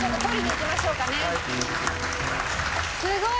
すごい！